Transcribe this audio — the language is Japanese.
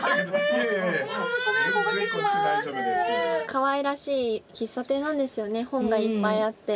かわいらしい喫茶店なんですよね本がいっぱいあって。